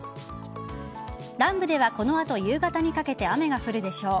南部ではこの後夕方にかけて雨が降るでしょう。